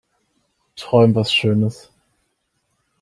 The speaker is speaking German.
Träum was schönes.